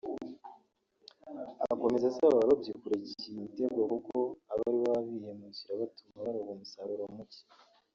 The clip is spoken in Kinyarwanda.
Akomeza asaba abarobyi kureka iyi mitego kuko aba aribo baba bihemukira batuma baroba umusaruro muke